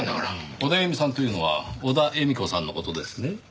オダエミさんというのは小田絵美子さんの事ですね？